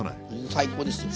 最高ですよ。